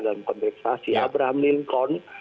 dalam konteks asia abraham lincoln